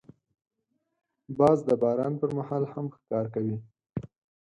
باز د باران پر مهال هم ښکار کوي